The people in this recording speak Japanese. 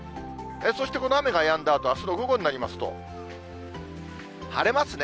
そして、この雨がやんだあと、あすの午後になりますと、晴れますね。